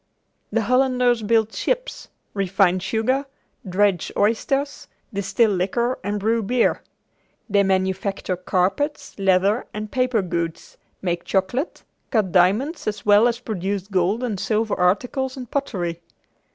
The Hollanders build ships, refine sugar, dredge oysters, distill liquor and brew beer. They manufacture carpets, leather and paper goods, make chocolate, cut diamonds as well as produce gold and silver articles and pottery.